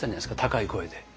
高い声で。